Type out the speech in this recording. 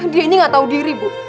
dia ini nggak tahu diri bu